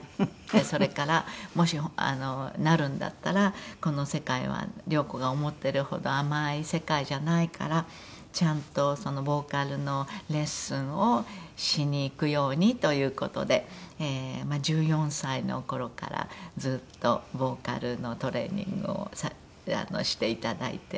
それからもしなるんだったらこの世界は良子が思ってるほど甘い世界じゃないからちゃんとボーカルのレッスンをしに行くようにという事で１４歳の頃からずっとボーカルのトレーニングをしていただいて。